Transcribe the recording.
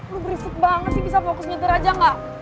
lu berisik banget sih bisa fokus nyetir aja gak